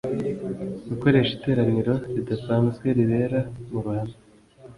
gukoresha iteraniro ridasanzwe ribera mu ruhame